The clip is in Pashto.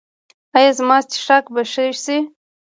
ایا زما څښاک به ښه شي؟